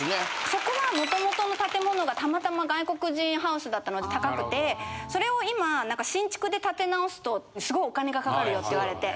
そこは元々の建物がたまたま外国人ハウスだったので高くてそれを今新築で建て直すとすごいお金がかかるよって言われて。